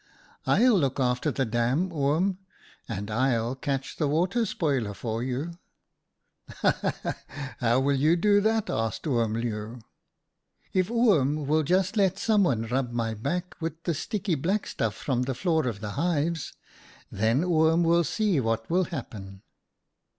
«"/'ll look after the dam, Oom, and I'll catch the Water Spoiler for you.' "' Ha ! ha ! ha ! How will you do that ?' asked Oom Leeuw. "' If Oom will just let someone rub my back with the sticky black stuff from the floor of the hives, then Oom will see what will happen.'